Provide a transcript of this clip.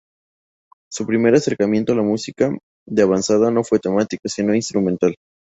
Su primer acercamiento a la música de avanzada no fue temático, sino instrumental.